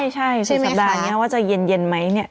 ใช่สุดสัปดาห์นี้ว่าจะเย็นไหมเนี่ย